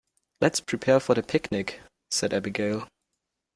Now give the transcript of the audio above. "Let's prepare for the picnic!", said Abigail.